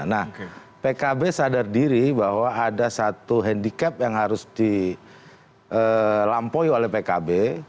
nah pkb sadar diri bahwa ada satu handicap yang harus dilampaui oleh pkb